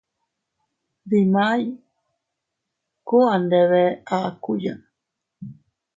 Dimay kuu a ndebe akuya.